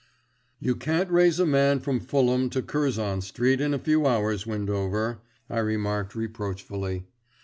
"You can't raise a man from Fulham to Curzon Street in a few hours, Windover," I remarked reproachfully.